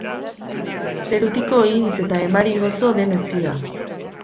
Zerutiko ihintz eta emari gozo den eztia.